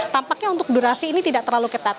tampaknya untuk durasi ini tidak terlalu ketat